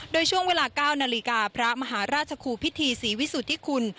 โดยช่วงเวลา๙นาฬิกาพระมหาราชครูพิธีศรีวิสุทธิคุณ